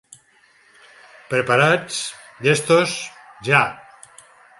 "Preparats, llestos, ja!